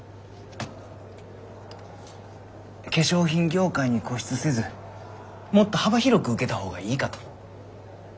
化粧品業界に固執せずもっと幅広く受けたほうがいいかと。